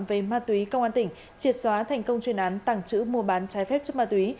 về ma túy công an tỉnh triệt xóa thành công chuyên án tảng chữ mua bán trái phép chất ma túy